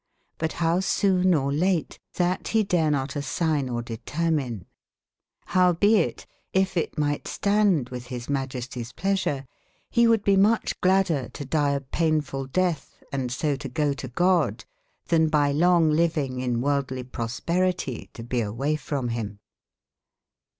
But bow soone or late, tbat be dare not assygne or deter mine, Rowebeit, if it mygbt stande witb bis majesties pleasure, be woulde be mucbe gladder todyeapaynef ull deatbe and so to goo to God, tben by longe lyving in worldlye prosperitye to bee a wayefrom bim.